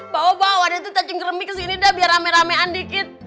bawa bawa deh tuh cacing kremi kesini dah biar rame ramean dikit